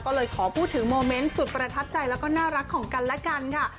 ก็เลยขอพูดถึงโมเมนต์สุดประทับใจแล้วก็น่ารักของกันและกันค่ะ